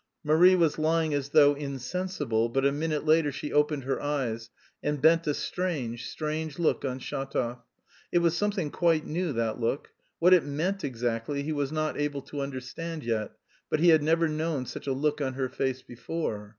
Marie was lying as though insensible, but a minute later she opened her eyes, and bent a strange, strange look on Shatov: it was something quite new, that look. What it meant exactly he was not able to understand yet, but he had never known such a look on her face before.